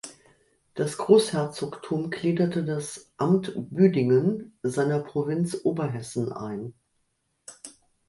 Das Großherzogtum gliederte das "Amt Büdingen" seiner Provinz Oberhessen ein.